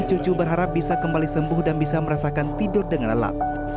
cucu berharap bisa kembali sembuh dan bisa merasakan tidur dengan lelap